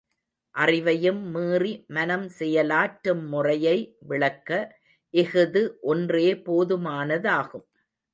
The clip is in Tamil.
அறிவையும் மீறி மனம் செயலாற்றும் முறையை விளக்க இஃது ஒன்றே போதுமானதாகும்.